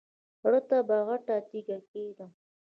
زړه ته به غټه تیګه کېږدم.